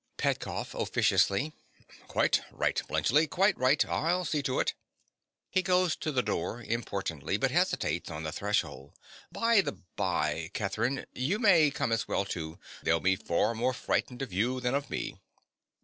PETKOFF. (officiously). Quite right, Bluntschli, quite right. I'll see to it. (He goes to the door importantly, but hesitates on the threshold.) By the bye, Catherine, you may as well come, too. They'll be far more frightened of you than of me.